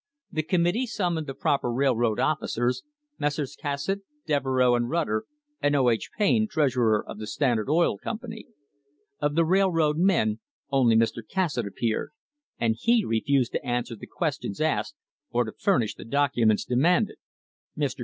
The Com mittee summoned the proper railroad officers, Messrs. Cassatt, Devereux and Rutter, and O. H. Payne, treasurer of the Standard Oil Company. Of the railroad men, only Mr. Cas satt appeared, and he refused to answer the questions asked or to furnish the documents demanded. Mr.